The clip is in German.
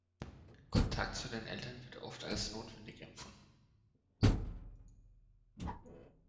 Kontakt zu den Eltern wird oft als notwendig empfunden.